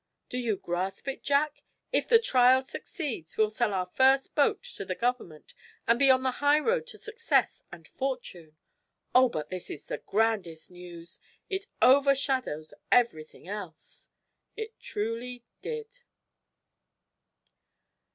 Do you grasp it, Jack? If the trial succeeds we'll sell our first boat to the Government and be on the high road to success and fortune! Oh, this is the grandest news! It overshadows everything else!" It truly did.